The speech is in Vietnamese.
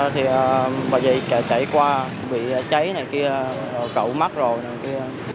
thì bà chị chạy qua bị cháy này kia cậu mắc rồi